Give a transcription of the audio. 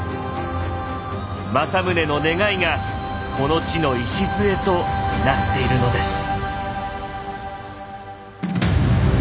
政宗の願いがこの地の礎となっているのです。